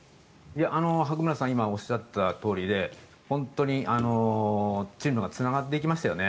白村さんが今、おっしゃったとおりで本当にチームがつながっていきましたよね。